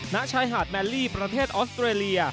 ณชายหาดแมลลี่ประเทศออสเตรเลีย